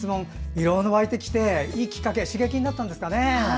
いろいろ湧いてきていいきっかけ刺激になったんですかね。